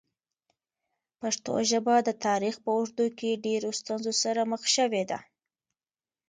پښتو ژبه د تاریخ په اوږدو کې ډېرو ستونزو سره مخ شوې ده.